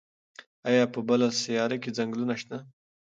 ایا په بله سیاره کې ځنګلونه شته؟